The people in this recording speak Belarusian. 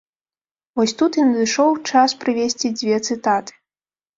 Вось тут і надышоў час прывесці дзве цытаты.